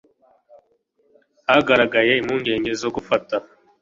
hagaragaye impungenge zo gufata